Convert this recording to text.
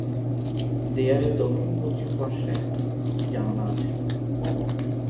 দেয়ালের দক্ষিণ-পশ্চিম পার্শ্বে একটি জানালা আছে।